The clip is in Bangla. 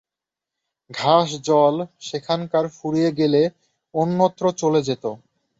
ঘাস-জল সেখানকার ফুরিয়ে গেলে অন্যত্র চলে যেত।